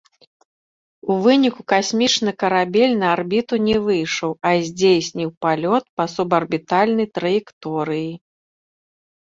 У выніку касмічны карабель на арбіту не выйшаў, а здзейсніў палёт па субарбітальнай траекторыі.